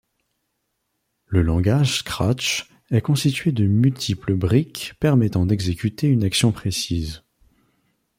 Le langage Scratch est constitué de multiples briques permettant d'exécuter une action précise.